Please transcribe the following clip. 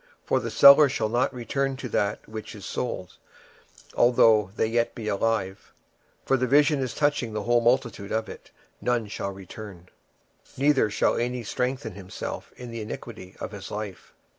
26:007:013 For the seller shall not return to that which is sold, although they were yet alive: for the vision is touching the whole multitude thereof, which shall not return; neither shall any strengthen himself in the iniquity of his life.